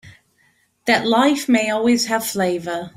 That life may always have flavor.